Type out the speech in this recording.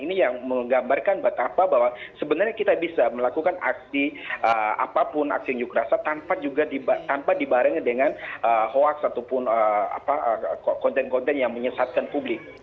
ini yang menggambarkan betapa bahwa sebenarnya kita bisa melakukan aksi apapun aksi unjuk rasa tanpa juga tanpa dibarengi dengan hoaks ataupun konten konten yang menyesatkan publik